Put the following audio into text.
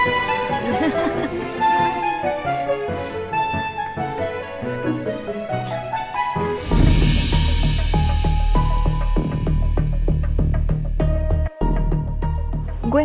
tap si di bawah